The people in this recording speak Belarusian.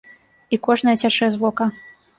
І кожная цячэ з вока.